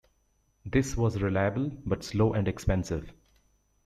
This was reliable but slow and expensive.